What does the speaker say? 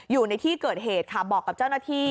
อยู่ในที่เกิดเหตุค่ะบอกกับเจ้าหน้าที่